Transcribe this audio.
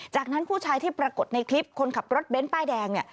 จากนั้นผู้ชายที่ปรากฏในคลิปคนขับรถเบ้นป้ายแดงเนี่ย